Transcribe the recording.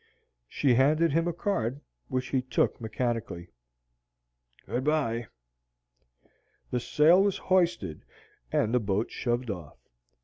She handed him a card, which he took mechanically. "Good by." The sail was hoisted, and the boat shoved off.